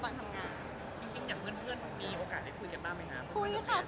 ขอมองกล้อมนิดนึงนะคะ